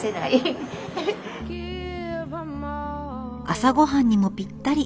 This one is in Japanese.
朝ごはんにもぴったり。